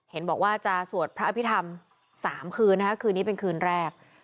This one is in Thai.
เห็นบอกว่าจะสวดพระอภิษฐรรม๓คืนนะคะคืนนี้เป็นคืนแรก